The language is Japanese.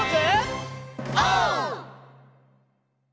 オー！